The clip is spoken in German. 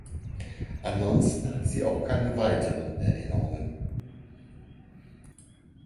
Ansonsten hat sie auch keine weiteren Erinnerungen.